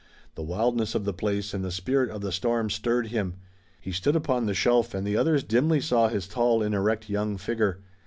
The wildness of the place and the spirit of the storm stirred him. He stood upon the shelf and the others dimly saw his tall and erect young figure.